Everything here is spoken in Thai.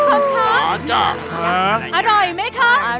สัตว์ปลาอร่อยไหมคะ